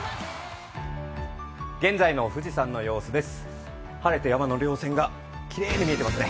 現在の富士山の様子です。